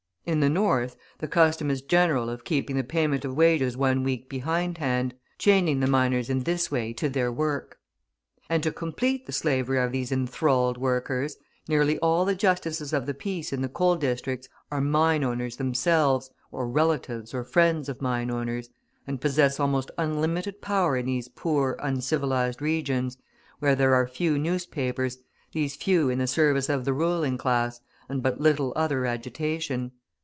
In the North, the custom is general of keeping the payment of wages one week behindhand, chaining the miners in this way to their work. And to complete the slavery of these enthralled workers, nearly all the Justices of the Peace in the coal districts are mine owners themselves, or relatives or friends of mine owners, and possess almost unlimited power in these poor, uncivilised regions where there are few newspapers, these few in the service of the ruling class, and but little other agitation.